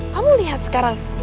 kamu liat sekarang